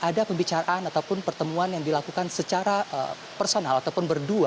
ada pembicaraan ataupun pertemuan yang dilakukan secara personal ataupun berdua